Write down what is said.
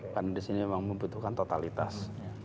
karena di sini memang membutuhkan totalitas